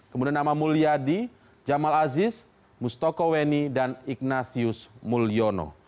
kemudian nama mulyadi jamal aziz mustoko weni dan ignatius mulyono